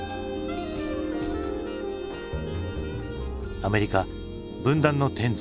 「アメリカ分断の１０ｓ」。